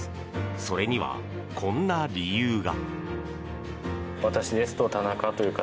それには、こんな理由が。